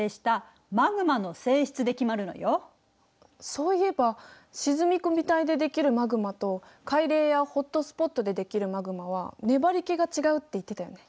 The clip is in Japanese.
そういえば沈み込み帯で出来るマグマと海嶺やホットスポットで出来るマグマは粘りけが違うって言ってたよね。